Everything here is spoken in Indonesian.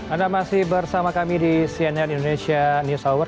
anda masih bersama kami di cnn indonesia news hour